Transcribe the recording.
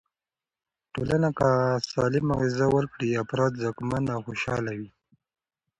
ټولنه که سالمه غذا ورکړي، افراد ځواکمن او خوشحاله وي.